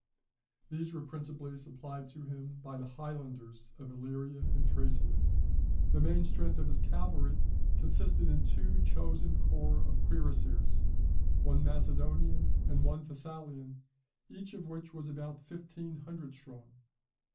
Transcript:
These were principally supplied to him by the highlanders of Illyria and Thracia. The main strength of his cavalry consisted in two chosen corps of cuirassiers, one Macedonian, and one Thessalian each of which was about fifteen hundred strong.